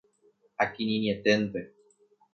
Akirirĩeténte